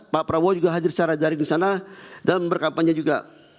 pak prabowo juga hadir secara jaring di sana dalam berkampanye juga